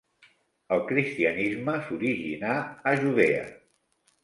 El cristianisme s'originà a Judea.